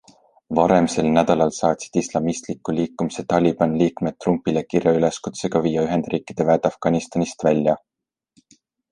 Varem sel nädalal saatsid islamistliku liikumise Taliban liikmed Trumpile kirja üleskutsega viia Ühendriikide väed Afganistanist välja.